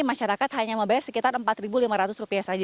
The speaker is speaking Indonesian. masyarakat hanya membayar sekitar rp empat lima ratus saja